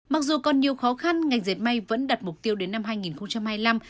mặc dù còn nhiều khó khăn ngành dệt may vẫn đặt mục tiêu đến năm hai nghìn hai mươi năm